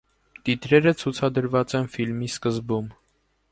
Տիտրերը ցուցադրված են ֆիլմի սկզբում։